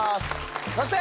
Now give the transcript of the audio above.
そして。